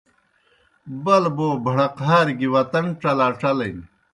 بلبو بھڑقہار گیْ وطن ڇلاڇلِن۔